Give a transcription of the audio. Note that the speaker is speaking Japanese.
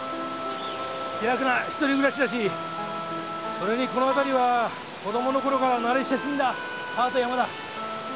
気楽な一人暮らしだしそれにこの辺りは子供の頃から慣れ親しんだ川と山だ。